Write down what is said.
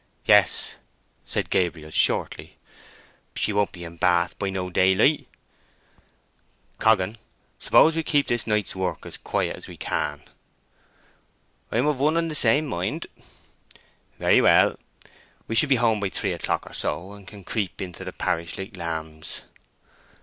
"Yes," said Gabriel, shortly. "She won't be in Bath by no daylight!" "Coggan, suppose we keep this night's work as quiet as we can?" "I am of one and the same mind." "Very well. We shall be home by three o'clock or so, and can creep into the parish like lambs."